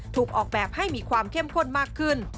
ถูกออกแบบให้มีความเข้มข้นมากขึ้น